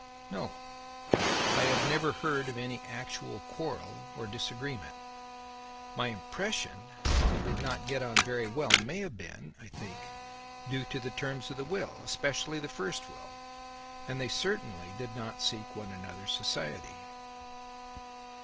"No. I have never heard of any actual quarrel or disagreement. My impression that they did not get on very well may have been, I think, due to the terms of the will, especially the first will. And they certainly did not seek one another's society."